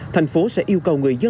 thành phố sẽ yêu cầu người dân